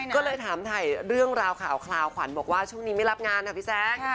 ก็เลยถามถ่ายเรื่องราวข่าวคลาวขวัญบอกว่าช่วงนี้ไม่รับงานนะพี่แจ๊ค